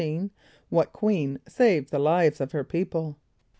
= What queen saved the lives of her people?